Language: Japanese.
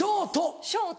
ショート。